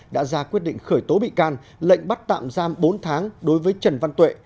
đã ra quyết định khởi tố bị can lệnh bắt tạm giam bốn tháng đối với trần văn tuệ